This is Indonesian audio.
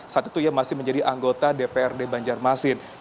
saat itu ia masih menjadi anggota dprd banjarmasin